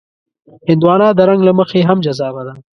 هندوانه د رنګ له مخې هم جذابه ده.